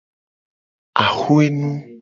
Axwe nu.